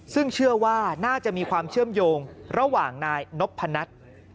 ซึ่งเชื่อว่าน่าจะมีความเชื่อมโยงระหว่างนายนพนัท